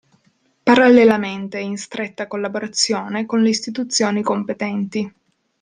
Parallelamente in stretta collaborazione con le istituzioni competenti.